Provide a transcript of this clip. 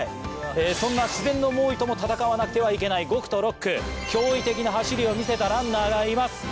そんな自然の猛威とも闘わなくてはいけない５区と６区驚異的な走りを見せたランナーがいます